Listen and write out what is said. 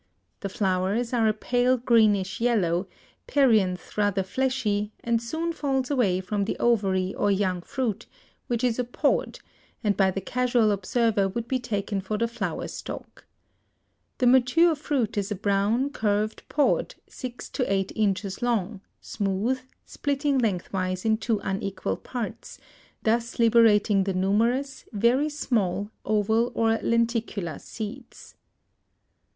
The flowers are a pale greenish yellow, perianth rather fleshy and soon falls away from the ovary or young fruit, which is a pod, and by the casual observer would be taken for the flower stalk. The mature fruit is a brown curved pod six to eight inches long, smooth, splitting lengthwise in two unequal parts, thus liberating the numerous, very small, oval or lenticular seeds.